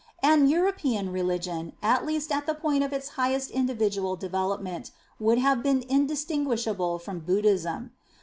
And European religion, at least at the point of its highest individual development, would have been indistinguishable from Buddhism.